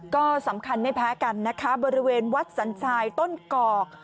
ก็สำคัญไม่แพ้กันนะคะบริเวณวัดสันทรายต้นกอก